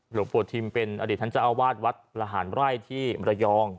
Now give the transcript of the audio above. หลวงปู่ทิมเป็นอดีตท่านเจ้าอาวาสวัดระหารไร่ที่มรยอง